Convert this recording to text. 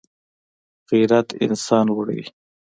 غیرت انسان لوړوي